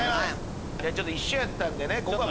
ちょっと一緒やったんでね。